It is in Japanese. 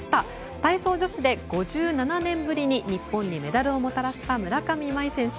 体操女子で５７年ぶりに日本にメダルをもたらした村上茉愛選手。